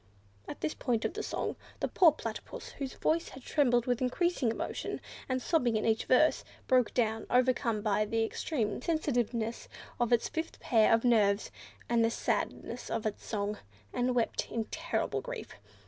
At this point of the song, the poor Platypus, whose voice had trembled with increasing emotion and sobbing in each verse, broke down, overcome by the extreme sensitiveness of its fifth pair of nerves and the sadness of its song, and wept in terrible grief.